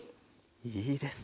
いいですね。